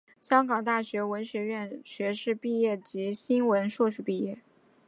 香港大学文学院学士毕业及新闻硕士毕业。